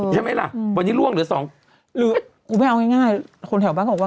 ใช่ไหมล่ะวันนี้ล่วงเหลือสองหรือกูไม่เอาง่ายคนแถวบ้านบอกว่า